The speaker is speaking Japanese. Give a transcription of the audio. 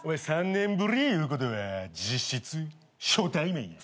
３年ぶりいうことは実質初対面や。